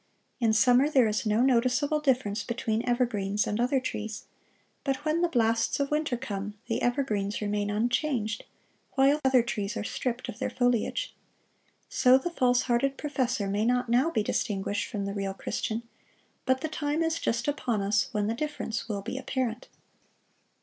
In summer there is no noticeable difference between evergreens and other trees; but when the blasts of winter come, the evergreens remain unchanged, while other trees are stripped of their foliage. So the false hearted professor may not now be distinguished from the real Christian, but the time is just upon us when the difference will be apparent.